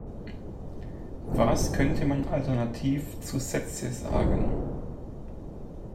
Was könnte man alternativ zu Sätze sagen?